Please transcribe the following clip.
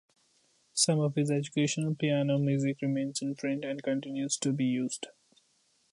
Some of his educational piano music remains in print and continues to be used.